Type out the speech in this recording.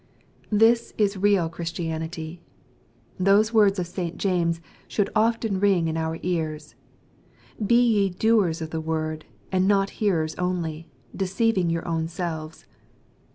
This is real Ohristianitj. Those words of St. James should often ring in our ears, " Be ye doers of the word, and not hearers only, deceiv ing your own selves."